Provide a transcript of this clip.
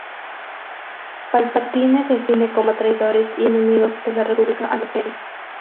Palpatine define como traidores y enemigos de la República a los Jedi.